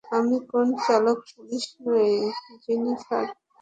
আমি কোন চালাক পুলিশ নই, জেনিফার।